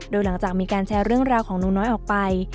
โดยหลังจากมีการแชร์เรื่องราวของหนูน้อยออกไป